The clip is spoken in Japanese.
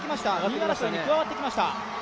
２位争いに加わってきました。